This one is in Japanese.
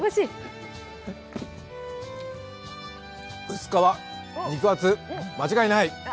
薄皮、肉厚、間違いない！